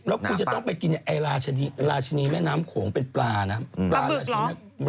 แล้วคุณจะต้องไปกินไอ้ราชินีแม่น้ำโขงเป็นปลานะปลาราชนิด